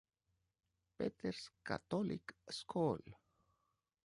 Peter's Catholic School.